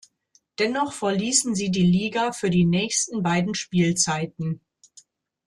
Dennoch verließen sie die Liga für die nächsten beiden Spielzeiten.